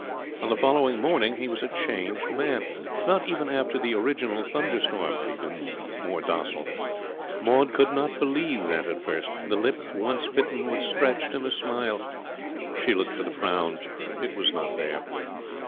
On the following morning he was a changed man. Not even after the original thunderstorm had he been more docile. Maud could not believe that first. The lip, once bitten, was stretched in a smile. She looked for the frown. It was not there.